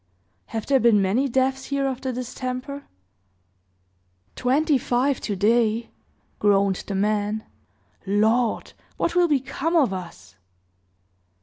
"Have there been many deaths here of the distemper?" "Twenty five to day!" groaned the man. "Lord! what will become of us?"